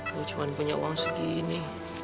gue cuma punya uang segini